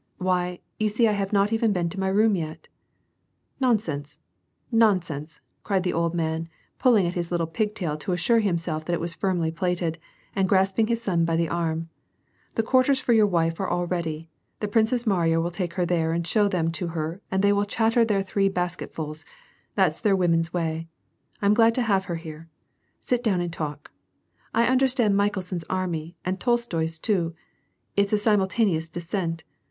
" Why, you see I have not even been to my room yet." " Nonsense, nonsense," cried the old man, pulling at his little pigtail to assure himself that it was firmly plaited, and grasping his son by the arm. *• The quarters for your wife are all ready. The Princess Mariya will take her there aud show tliem to her and they will chatter their three basketsful! that's their woman's way. I'm glad to have her here. Sit down and talk. I understand Michelson's army and Tolstoi's, too. It's a simultaneous descent.